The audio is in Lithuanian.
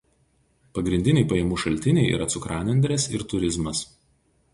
Pagrindiniai pajamų šaltiniai yra cukranendrės ir turizmas.